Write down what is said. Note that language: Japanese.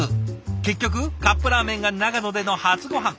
結局カップラーメンが長野での初ごはん。